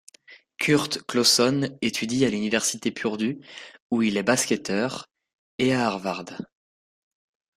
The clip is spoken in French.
Curt Clawson étudie à l'université Purdue, où il est basketteur, et à Harvard.